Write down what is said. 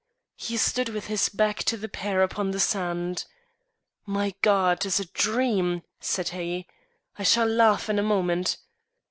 He stood with his back to the pair upon the sand. "My God! 'tis a dream," said he. "I shall laugh in a moment."